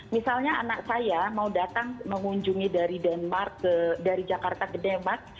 misalnya anak saya mau datang mengunjungi dari denmark dari jakarta ke denmark